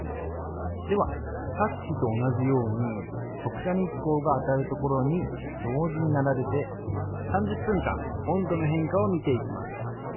ではさっきと同じように直射日光が当たる所に同時に並べて３０分間温度の変化を見ていきます。